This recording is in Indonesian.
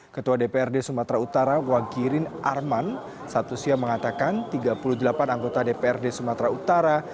ketua dprd sumatera utara wagirin arman satu siang mengatakan tiga puluh delapan anggota dprd sumatera utara